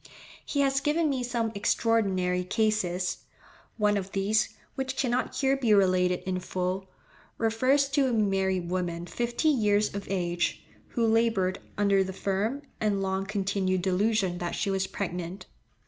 He has given me some extraordinary cases; one of these, which cannot here be related in full, refers to a married woman fifty years of age, who laboured under the firm and long continued delusion that she was pregnant.